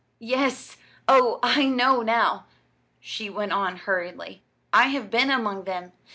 "Yes. Oh, I know now," she went on hurriedly. "I have been among them.